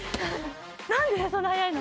何でそんな早いの？